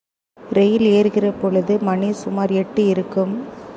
ரயில் ஏறுகிறபொழுது மணி சுமார் எட்டு இருக்கும்.